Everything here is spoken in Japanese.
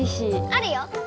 あるよ。